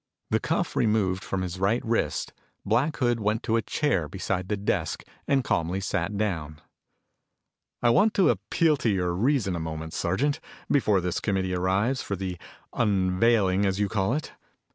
The cuff removed from his right wrist, Black Hood went to a chair beside the desk and calmly sat down. "I want to appeal to your reason a moment, Sergeant, before this committee arrives for the 'unveiling' as you call it.